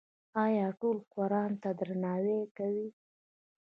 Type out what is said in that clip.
آیا ټول قرآن ته درناوی کوي؟